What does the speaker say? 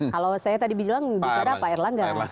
kalau saya tadi bilang bicara pak erlangga